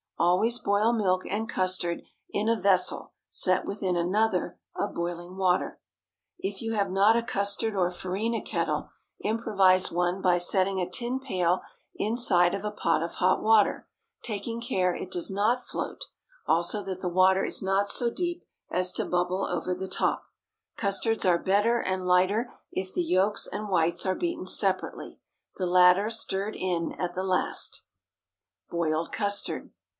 Always boil milk and custard in a vessel set within another of boiling water. If you have not a custard or farina kettle, improvise one by setting a tin pail inside of a pot of hot water, taking care it does not float, also that the water is not so deep as to bubble over the top. Custards are better and lighter if the yolks and whites are beaten separately, the latter stirred in at the last. BOILED CUSTARD.